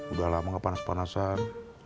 udah lama kepanas panasan